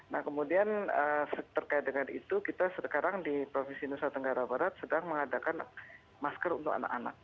nah kemudian terkait dengan itu kita sekarang di provinsi nusa tenggara barat sedang mengadakan masker untuk anak anak